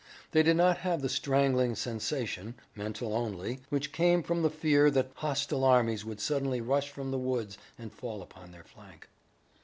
They did not have the strangling sensation, mental only, which came from the fear that hostile armies would suddenly rush from the woods and fall upon their flank.